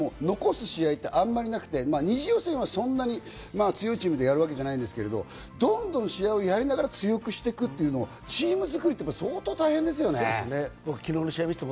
残す試合ってあまりなくて、２次予選はそんなに強いチームでやるわけじゃないですけれど、どんどん試合をやりながら強くしていくというのをチーム作りっていうのは相当、大変ですよね。